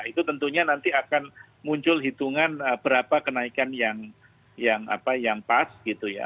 itu tentunya nanti akan muncul hitungan berapa kenaikan yang pas gitu ya